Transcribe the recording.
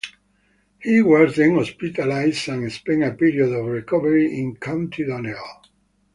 He was then hospitalised and spent a period of recovery in County Donegal.